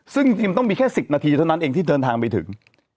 ซึ่งจริงต้องมีแค่๑๐นาทีเท่านั้นเองที่เดินทางไปถึง